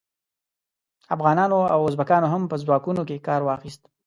افغانانو او ازبکانو هم په ځواکونو کې کار واخیست.